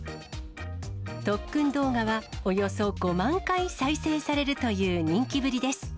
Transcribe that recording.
特訓動画は、およそ５万回再生されるという人気ぶりです。